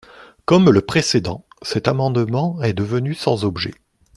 Comme le précédent, cet amendement est devenu sans objet.